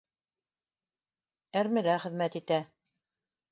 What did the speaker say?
Әрмелә хеҙмәт итә